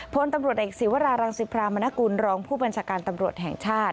พลตำรวจเอกศิวรารังสิพรามนกุลรองผู้บัญชาการตำรวจแห่งชาติ